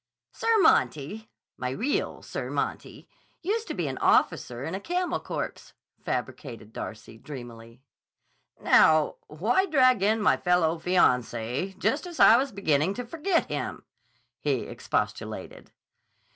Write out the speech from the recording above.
"Sir Monty—my real Sir Monty—used to be an officer in a camel corps," fabricated Darcy dreamily. "Now, why drag in my fellow fiancé, just as I was beginning to forget him?" he expostulated.